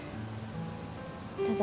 ただ。